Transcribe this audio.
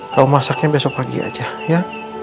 kalau masaknya besok pagi aja ya